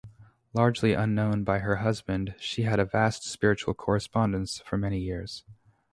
Largely unknown by her husband, she had a vast spiritual correspondence for many years.